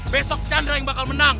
besok chandra yang bakal menang